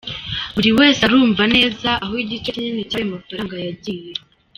Buri wese arumva neza aho igice kinini cy’ayo mafaranga yagiye.